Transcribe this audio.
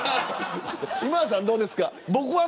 今田さん、どうですか。